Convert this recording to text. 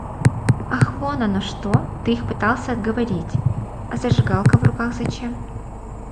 Ах вон оно что, ты их пытался отговорить. А зажигалка в руках зачем?